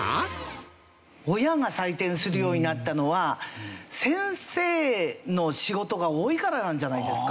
親が採点するようになったのは先生の仕事が多いからなんじゃないですか？